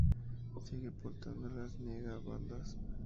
Sigue portando las niega-bandas.